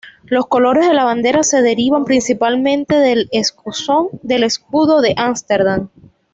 Los colores de la bandera se derivan principalmente del escusón del escudo de Ámsterdam.